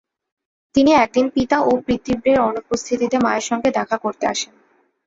তিনি অকদিন পিতা ও পিতৃব্যের অনুপস্থিতিতে মায়ের সাথে দেখা করে আসেন।